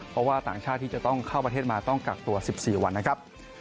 เพราะว่าต่างชาติที่จะต้องเข้าประเทศมาต้องกักตัว๑๔วันนะครับ